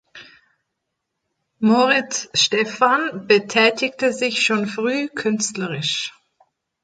Moritz Stephan betätigte sich schon früh künstlerisch.